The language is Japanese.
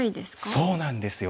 そうなんですよ。